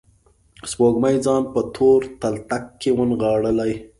سپوږمۍ ځان په تور تلتک کې ونغاړلي